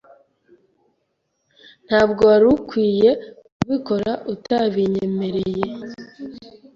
Ntabwo wari ukwiye kubikora utabinyemereye.